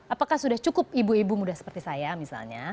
apakah sudah cukup ibu ibu muda seperti saya misalnya